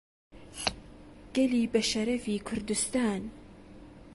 گەلی بەشەڕەفی کوردستان